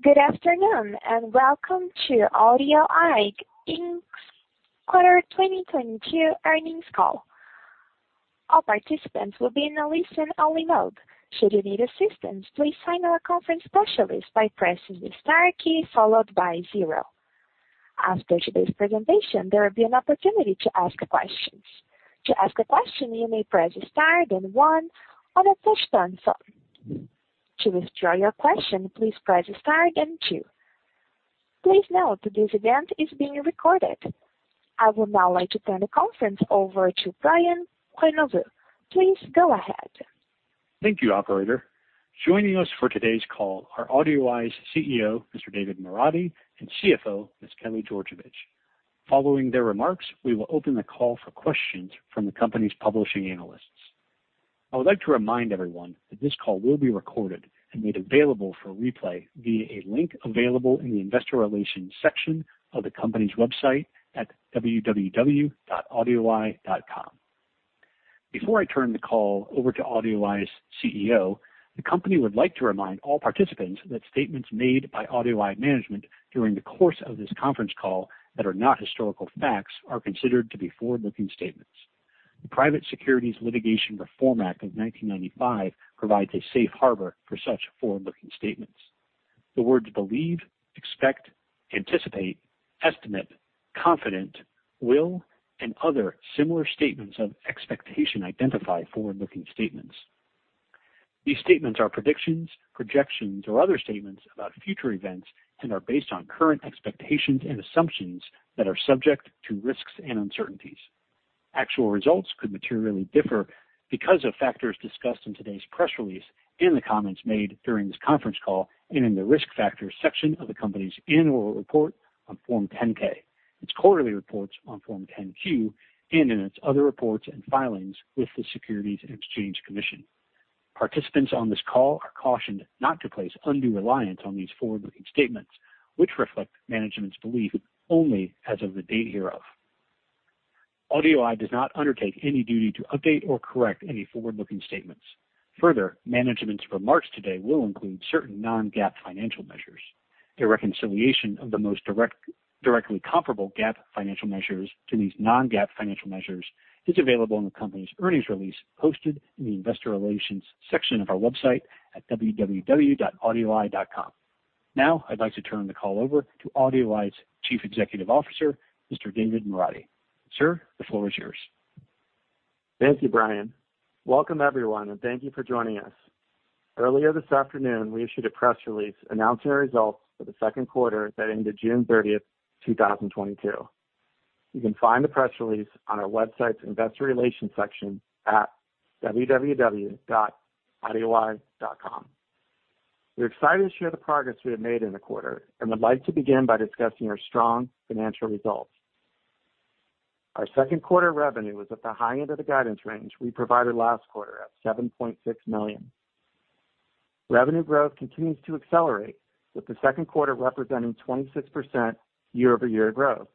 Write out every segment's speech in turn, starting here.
Good afternoon, and welcome to AudioEye, Inc.'s second quarter 2022 earnings call. All participants will be in a listen-only mode. Should you need assistance, please press the star key followed by zero. After today's presentation, there will be an opportunity to ask questions. To ask a question, you may press star then one on a push-button phone. To withdraw your question, please press star then two. Please note that this event is being recorded. I would now like to turn the conference over to Brian Prenoveau. Please go ahead. Thank you, operator. Joining us for today's call are AudioEye's CEO, Mr. David Moradi, and CFO, Ms. Kelly Georgevich. Following their remarks, we will open the call for questions from the company's participating analysts. I would like to remind everyone that this call will be recorded and made available for replay via a link available in the investor relations section of the company's website at www.audioeye.com. Before I turn the call over to AudioEye's CEO, the company would like to remind all participants that statements made by AudioEye management during the course of this conference call that are not historical facts are considered to be forward-looking statements. The Private Securities Litigation Reform Act of 1995 provides a safe harbor for such forward-looking statements. The words believe, expect, anticipate, estimate, confident, will, and other similar statements of expectation identify forward-looking statements. These statements are predictions, projections, or other statements about future events and are based on current expectations and assumptions that are subject to risks and uncertainties. Actual results could materially differ because of factors discussed in today's press release, in the comments made during this conference call, and in the Risk Factors section of the company's annual report on Form 10-K, its quarterly reports on Form 10-Q, and in its other reports and filings with the Securities and Exchange Commission. Participants on this call are cautioned not to place undue reliance on these forward-looking statements, which reflect management's belief only as of the date hereof. AudioEye does not undertake any duty to update or correct any forward-looking statements. Further, management's remarks today will include certain non-GAAP financial measures. A reconciliation of the most direct, directly comparable GAAP financial measures to these non-GAAP financial measures is available in the company's earnings release posted in the investor relations section of our website at www.audioeye.com. Now I'd like to turn the call over to AudioEye's Chief Executive Officer, Mr. David Moradi. Sir, the floor is yours. Thank you, Brian. Welcome, everyone, and thank you for joining us. Earlier this afternoon, we issued a press release announcing our results for the second quarter that ended June 30, 2022. You can find the press release on our website's investor relations section at www.audioeye.com. We're excited to share the progress we have made in the quarter and would like to begin by discussing our strong financial results. Our second quarter revenue was at the high end of the guidance range we provided last quarter at $7.6 million. Revenue growth continues to accelerate, with the second quarter representing 26% year-over-year growth.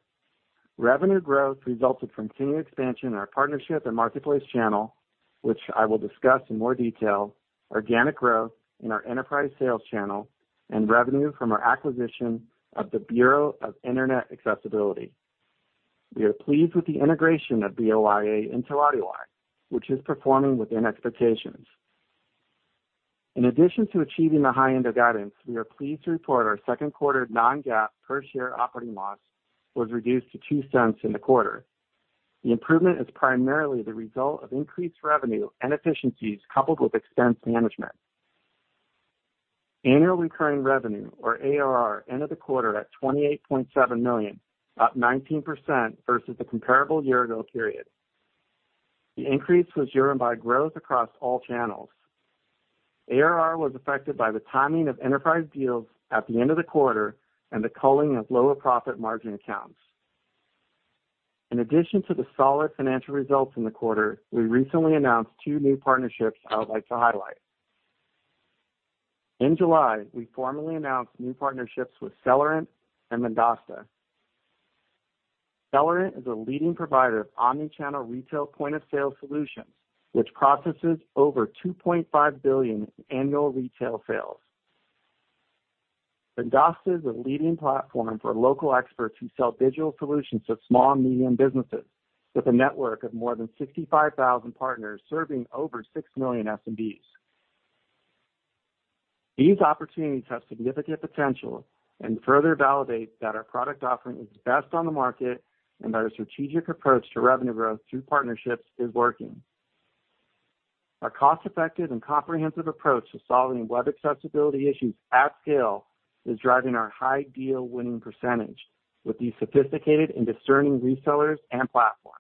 Revenue growth resulted from continued expansion in our Partnership and Marketplace channel, which I will discuss in more detail, organic growth in our enterprise sales channel, and revenue from our acquisition of the Bureau of Internet Accessibility. We are pleased with the integration of BOIA into AudioEye, which is performing within expectations. In addition to achieving the high end of guidance, we are pleased to report our second quarter non-GAAP per share operating loss was reduced to $0.02 in the quarter. The improvement is primarily the result of increased revenue and efficiencies coupled with expense management. Annual recurring revenue or ARR ended the quarter at $28.7 million, up 19% versus the comparable year ago period. The increase was driven by growth across all channels. ARR was affected by the timing of enterprise deals at the end of the quarter and the culling of lower profit margin accounts. In addition to the solid financial results in the quarter, we recently announced two new partnerships I would like to highlight. In July, we formally announced new partnerships with Celerant and Vendasta. Celerant is a leading provider of omni-channel retail point-of-sale solutions, which processes over $2.5 billion in annual retail sales. Vendasta is a leading platform for local experts who sell digital solutions to small and medium businesses with a network of more than 65,000 partners serving over 6 million SMBs. These opportunities have significant potential and further validate that our product offering is the best on the market and that our strategic approach to revenue growth through partnerships is working. Our cost-effective and comprehensive approach to solving web accessibility issues at scale is driving our high deal winning percentage with these sophisticated and discerning resellers and platforms.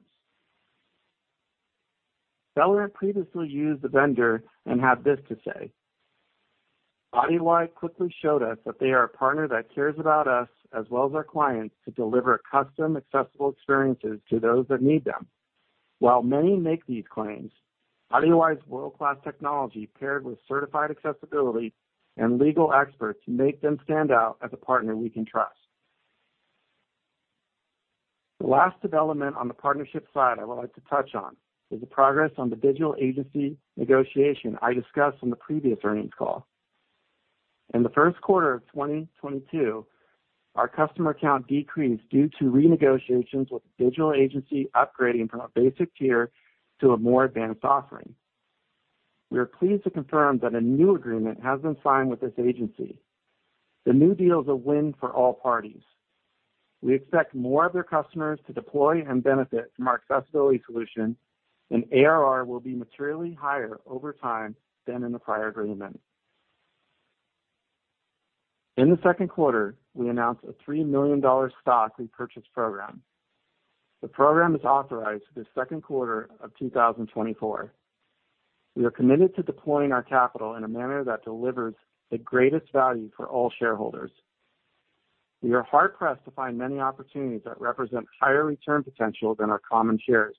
Celerant previously used the vendor and had this to say, "AudioEye quickly showed us that they are a partner that cares about us as well as our clients to deliver custom accessible experiences to those that need them. While many make these claims, AudioEye's world-class technology paired with certified accessibility and legal experts make them stand out as a partner we can trust. The last development on the partnership side I would like to touch on is the progress on the digital agency negotiation I discussed on the previous earnings call. In the first quarter of 2022, our customer count decreased due to renegotiations with a digital agency upgrading from a basic tier to a more advanced offering. We are pleased to confirm that a new agreement has been signed with this agency. The new deal is a win for all parties. We expect more of their customers to deploy and benefit from our accessibility solution, and ARR will be materially higher over time than in the prior agreement. In the second quarter, we announced a $3 million stock repurchase program. The program is authorized through the second quarter of 2024. We are committed to deploying our capital in a manner that delivers the greatest value for all shareholders. We are hard pressed to find many opportunities that represent higher return potential than our common shares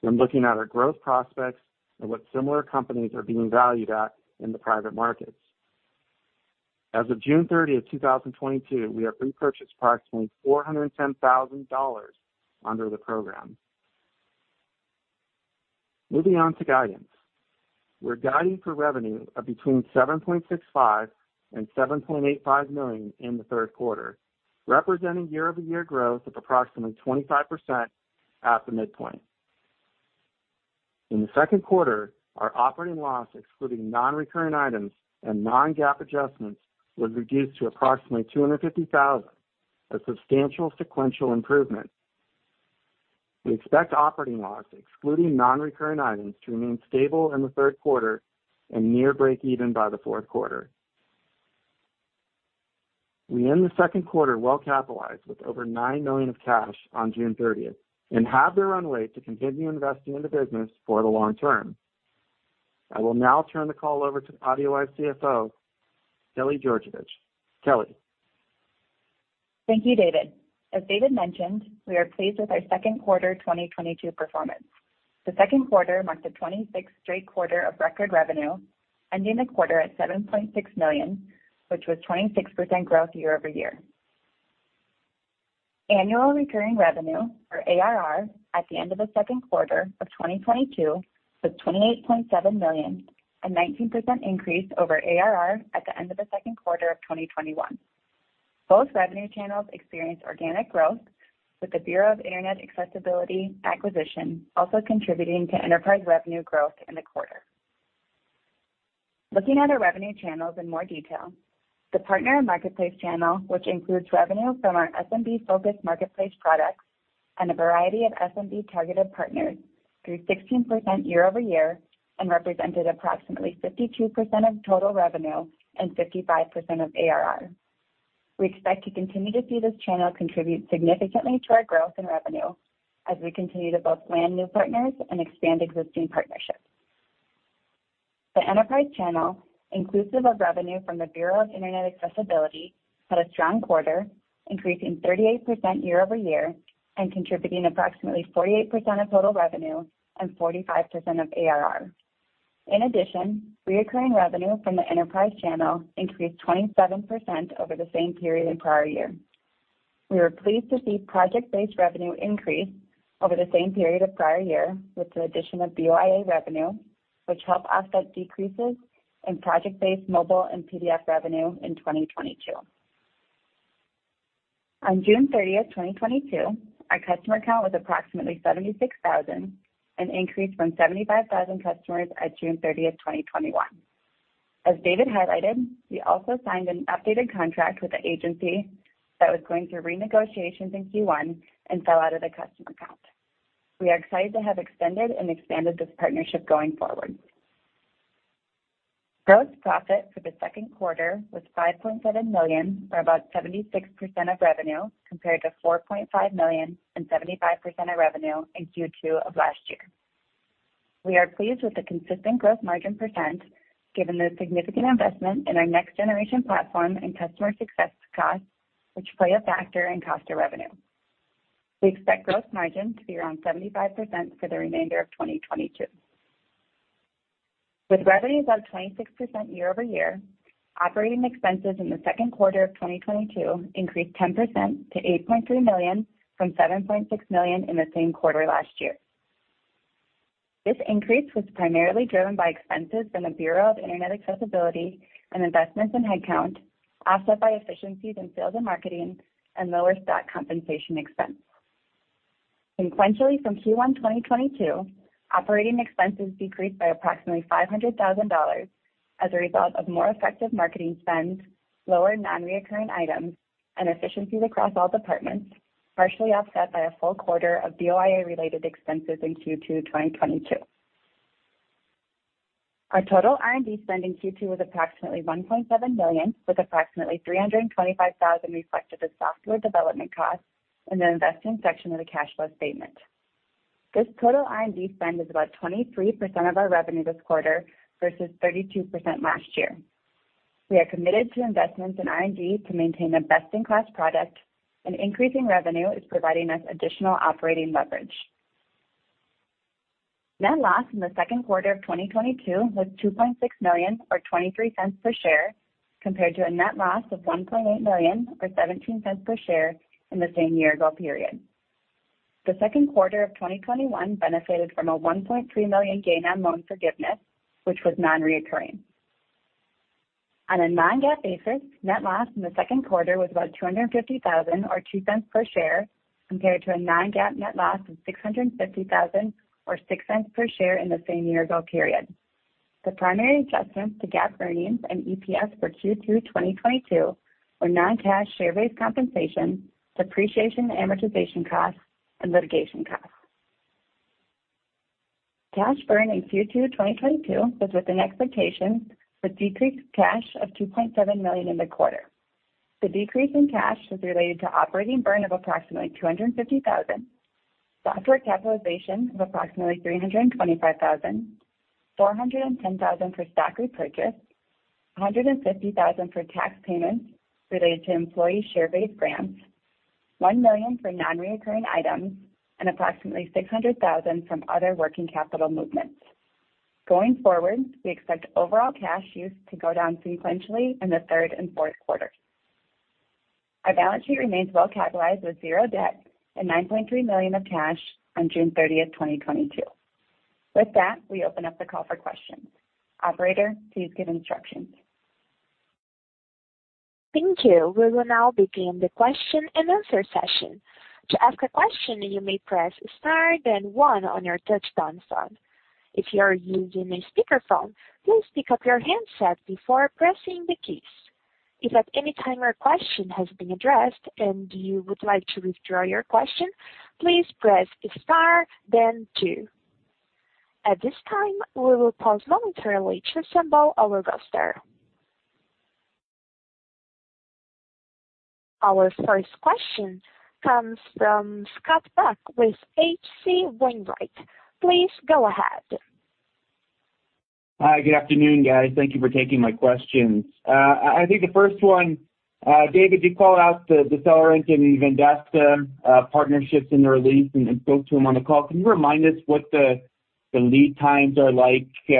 when looking at our growth prospects and what similar companies are being valued at in the private markets. As of June 30, 2022, we have repurchased approximately $410,000 under the program. Moving on to guidance. We're guiding for revenue of between $7.65 million and $7.85 million in the third quarter, representing year-over-year growth of approximately 25% at the midpoint. In the second quarter, our operating loss excluding non-recurring items and non-GAAP adjustments was reduced to approximately $250,000, a substantial sequential improvement. We expect operating loss excluding non-recurring items to remain stable in the third quarter and near breakeven by the fourth quarter. We end the second quarter well capitalized with over $9 million in cash on June 30 and have the runway to continue investing in the business for the long term. I will now turn the call over to AudioEye's CFO, Kelly Georgevich. Kelly. Thank you, David. As David mentioned, we are pleased with our second quarter 2022 performance. The second quarter marked the 26th straight quarter of record revenue, ending the quarter at $7.6 million, which was 26% growth year-over-year. Annual recurring revenue, or ARR, at the end of the second quarter of 2022 was $28.7 million, a 19% increase over ARR at the end of the second quarter of 2021. Both revenue channels experienced organic growth, with the Bureau of Internet Accessibility acquisition also contributing to enterprise revenue growth in the quarter. Looking at our revenue channels in more detail, the Partner and Marketplace channel, which includes revenue from our SMB-focused marketplace products and a variety of SMB-targeted partners, grew 16% year-over-year and represented approximately 52% of total revenue and 55% of ARR. We expect to continue to see this channel contribute significantly to our growth in revenue as we continue to both land new partners and expand existing partnerships. The enterprise channel, inclusive of revenue from the Bureau of Internet Accessibility, had a strong quarter, increasing 38% year-over-year and contributing approximately 48% of total revenue and 45% of ARR. In addition, recurring revenue from the enterprise channel increased 27% over the same period in prior year. We were pleased to see project-based revenue increase over the same period of prior year with the addition of BOIA revenue, which helped offset decreases in project-based mobile and PDF revenue in 2022. On June thirtieth, 2022, our customer count was approximately 76,000, an increase from 75,000 customers at June thirtieth, 2021. As David highlighted, we also signed an updated contract with an agency that was going through renegotiations in Q1 and fell out of the customer count. We are excited to have extended and expanded this partnership going forward. Gross profit for the second quarter was $5.7 million, or about 76% of revenue, compared to $4.5 million and 75% of revenue in Q2 of last year. We are pleased with the consistent gross margin % given the significant investment in our next generation platform and customer success costs, which play a factor in cost of revenue. We expect gross margin to be around 75% for the remainder of 2022. With revenue up 26% year-over-year, operating expenses in the second quarter of 2022 increased 10% to $8.3 million from $7.6 million in the same quarter last year. This increase was primarily driven by expenses from the Bureau of Internet Accessibility and investments in headcount, offset by efficiencies in sales and marketing and lower stock compensation expense. Sequentially, from Q1 2022, operating expenses decreased by approximately $500,000 as a result of more effective marketing spend, lower non-recurring items, and efficiencies across all departments, partially offset by a full quarter of BOIA-related expenses in Q2 2022. Our total R&D spend in Q2 was approximately $1.7 million, with approximately $325,000 reflected as software development costs in the investing section of the cash flow statement. This total R&D spend is about 23% of our revenue this quarter versus 32% last year. We are committed to investments in R&D to maintain a best-in-class product, and increasing revenue is providing us additional operating leverage. Net loss in the second quarter of 2022 was $2.6 million or $0.23 per share compared to a net loss of $1.8 million or $0.17 per share in the same year ago period. The second quarter of 2021 benefited from a $1.3 million gain on loan forgiveness, which was non-recurring. On a non-GAAP basis, net loss in the second quarter was about $250 thousand or $0.02 per share compared to a non-GAAP net loss of $650 thousand or $0.06 per share in the same year ago period. The primary adjustments to GAAP earnings and EPS for Q2 2022 were non-cash share-based compensation, depreciation, amortization costs and litigation costs. Cash burn in Q2 2022 was with an expectation for decreased cash of $2.7 million in the quarter. The decrease in cash was related to operating burn of approximately $250,000, software capitalization of approximately $325,000, $410,000 for stock repurchase, $150,000 for tax payments related to employee share-based grants, $1 million for non-recurring items, and approximately $600,000 from other working capital movements. Going forward, we expect overall cash use to go down sequentially in the third and fourth quarter. Our balance sheet remains well capitalized with zero debt and $9.3 million of cash on June 30, 2022. With that, we open up the call for questions. Operator, please give instructions. Thank you. We will now begin the question-and-answer session. To ask a question, you may press star then one on your touch-tone phone. If you are using a speakerphone, please pick up your handset before pressing the keys. If at any time your question has been addressed and you would like to withdraw your question, please press star then two. At this time, we will pause momentarily to assemble our roster. Our first question comes from Scott Buck with H.C. Wainwright. Please go ahead. Hi, good afternoon, guys. Thank you for taking my questions. I think the first one, David, you called out the Celerant and Vendasta partnerships in the release and spoke to them on the call. Can you remind us what the lead times are like, you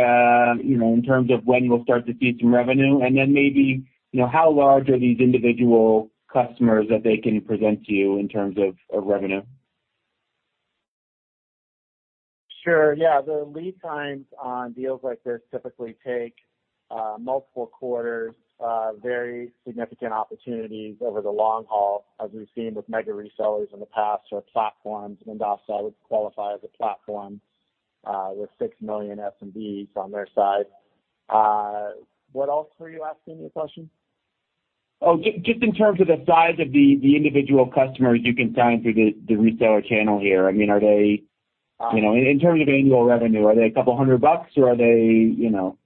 know, in terms of when you'll start to see some revenue? Maybe, you know, how large are these individual customers that they can present to you in terms of revenue? Sure, yeah. The lead times on deals like this typically take multiple quarters, very significant opportunities over the long haul, as we've seen with mega resellers in the past or platforms. Vendasta would qualify as a platform, with 6 million SMBs on their side. What else were you asking me a question? Just in terms of the size of the individual customers you can sign through the reseller channel here. I mean, are they, you know, in terms of annual revenue, are they a couple hundred bucks or are they, you know,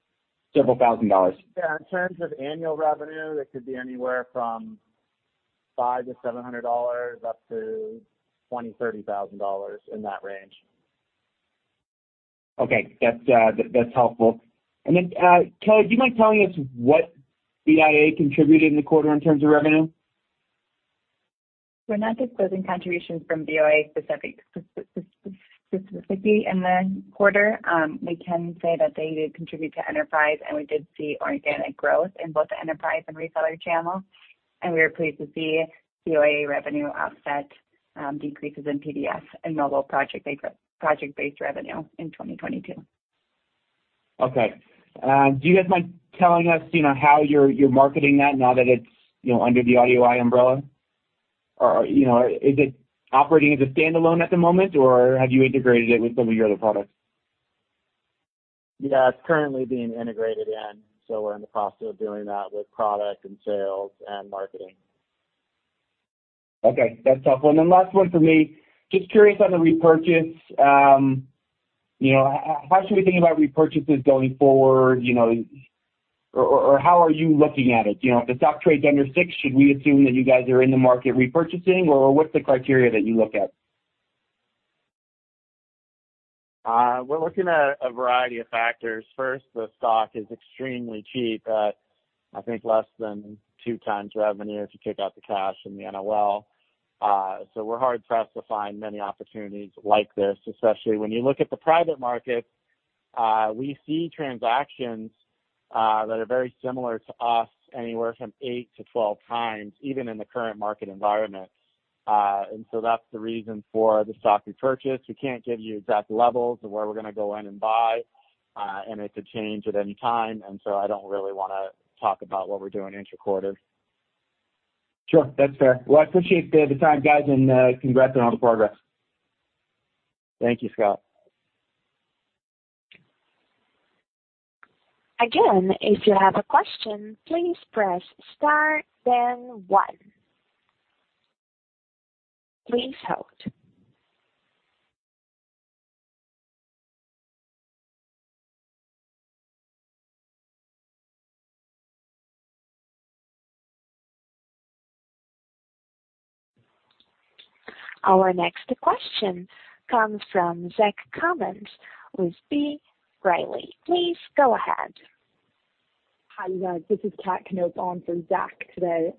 several thousand dollars? Yeah, in terms of annual revenue, it could be anywhere from $500-$700, up to $20,000-$30,000 in that range. Okay. That's helpful. Then, Kelly, do you mind telling us what BOIA contributed in the quarter in terms of revenue? We're not disclosing contributions from BOIA specifically in the quarter. We can say that they did contribute to enterprise, and we did see organic growth in both the enterprise and reseller channel. We are pleased to see BOIA revenue offset decreases in PDF and mobile project-based revenue in 2022. Okay. Do you guys mind telling us, you know, how you're marketing that now that it's, you know, under the AudioEye umbrella? Or, you know, is it operating as a standalone at the moment, or have you integrated it with some of your other products? Yeah, it's currently being integrated in, so we're in the process of doing that with product and sales and marketing. Okay, that's helpful. Last one for me, just curious on the repurchase. You know, how should we think about repurchases going forward? You know, or how are you looking at it? You know, if the stock trades under six, should we assume that you guys are in the market repurchasing, or what's the criteria that you look at? We're looking at a variety of factors. First, the stock is extremely cheap at, I think, less than 2x revenue if you take out the cash and the NOL. We're hard pressed to find many opportunities like this, especially when you look at the private market. We see transactions that are very similar to us, anywhere from 8x to 12x, even in the current market environment. That's the reason for the stock repurchase. We can't give you exact levels of where we're gonna go in and buy, and it could change at any time. I don't really wanna talk about what we're doing intra-quarter. Sure. That's fair. Well, I appreciate the time, guys, and congrats on all the progress. Thank you, Scott. Again, if you have a question, please press star then one. Please hold. Our next question comes from Zach Cummins with B. Riley. Please go ahead. Hi, guys. This is Kat Knop on for Zach today.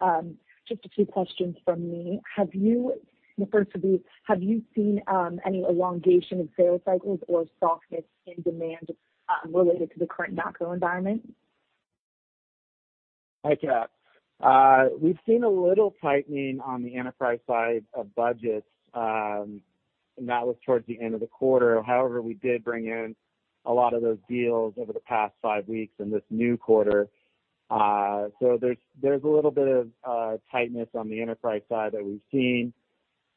Just a few questions from me. The first would be, have you seen any elongation of sales cycles or softness in demand related to the current macro environment? Hi, Kat. We've seen a little tightening on the enterprise side of budgets, and that was towards the end of the quarter. However, we did bring in a lot of those deals over the past five weeks in this new quarter. There's a little bit of tightness on the enterprise side that we've seen.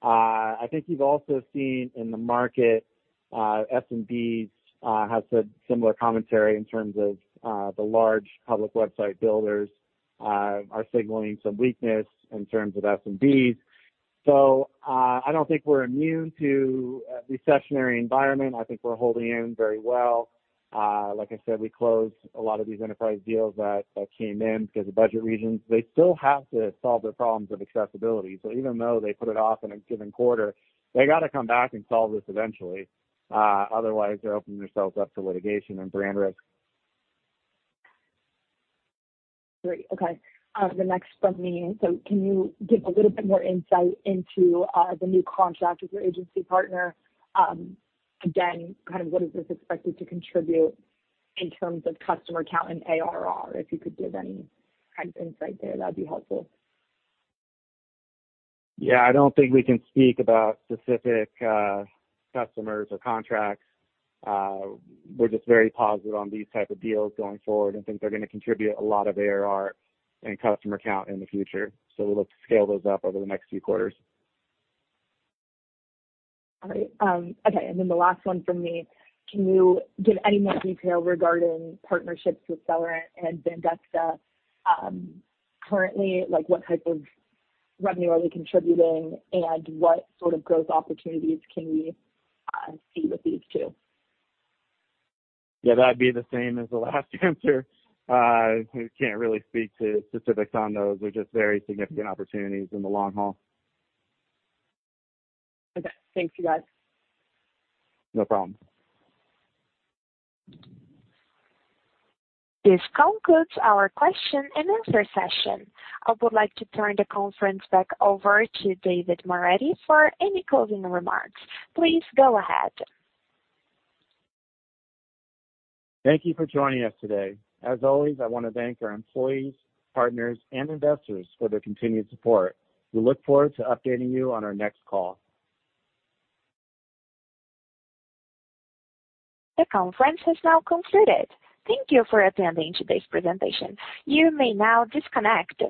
I think you've also seen in the market SMBs has said similar commentary in terms of the large public website builders are signaling some weakness in terms of SMBs. I don't think we're immune to a recessionary environment. I think we're holding in very well. Like I said, we closed a lot of these enterprise deals that came in because of budget reasons. They still have to solve their problems of accessibility. Even though they put it off in a given quarter, they gotta come back and solve this eventually. Otherwise they're opening themselves up to litigation and brand risk. Great. Okay. The next from me. Can you give a little bit more insight into the new contract with your agency partner? Again, kind of what is this expected to contribute in terms of customer count and ARR? If you could give any kind of insight there, that'd be helpful. Yeah, I don't think we can speak about specific customers or contracts. We're just very positive on these type of deals going forward and think they're gonna contribute a lot of ARR and customer count in the future. We'll look to scale those up over the next few quarters. All right. Okay, and then the last one from me. Can you give any more detail regarding partnerships with Celerant and Vendasta, currently? Like, what type of revenue are they contributing, and what sort of growth opportunities can we see with these two? Yeah, that'd be the same as the last answer. We can't really speak to specifics on those. They're just very significant opportunities in the long haul. Okay. Thank you, guys. No problem. This concludes our question and answer session. I would like to turn the conference back over to David Moradi for any closing remarks. Please go ahead. Thank you for joining us today. As always, I wanna thank our employees, partners, and investors for their continued support. We look forward to updating you on our next call. The conference has now concluded. Thank you for attending today's presentation. You may now disconnect.